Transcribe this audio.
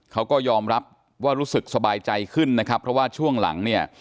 เขาก็ยอมรับว่ารู้สึกสบายใจขึ้นนะครับเพราะว่าช่วงหลังเนี่ย